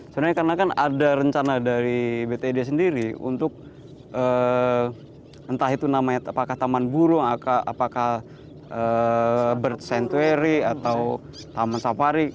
sebenarnya karena kan ada rencana dari bted sendiri untuk entah itu namanya apakah taman burung apakah bird santuary atau taman safari